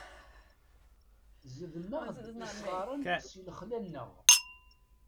Zedmeɣ-d isɣaren si lexla-nneɣ.